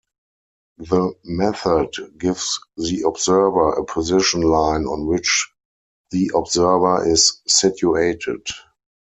The method gives the observer a position line on which the observer is situated.